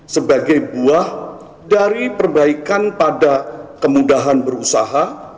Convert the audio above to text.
sebagai buah dari perbaikan pada kemudahan berusaha